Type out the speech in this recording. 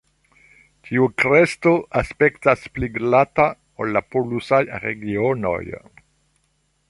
Tiu kresto aspektas pli glata ol la "polusaj" regionoj.